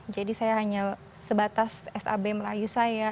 jadi saya hanya sebatas sab merayu saya